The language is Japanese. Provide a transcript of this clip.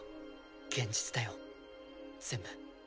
現実だよ全部。